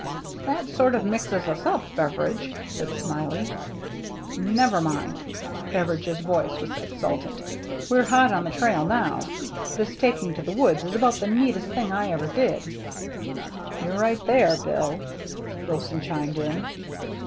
" That sort of mixes us up, Beveridge," said Smiley. '" Never mind." Beveridge's voice was exultant. " We're hot on the trail now. This taking to the woods is about the neat est thing I ever did." "You're right there. Bill," Wilson chimed in.